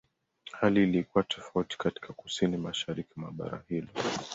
Hali ilikuwa tofauti katika Kusini-Mashariki mwa bara hilo.